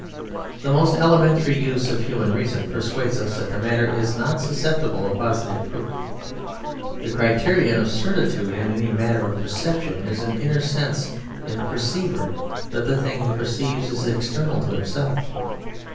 The most elementary use of the human reason persuades us that the matter is not susceptible of positive proof. The criterion of certitude in any matter of perception is an inner sense in the perceiver that the thing he perceives is external to himself.